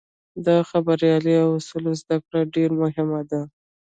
د خبریالۍ د اصولو زدهکړه ډېره مهمه ده.